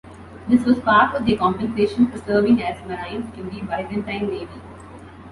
This was part of their compensation for serving as marines in the Byzantine Navy.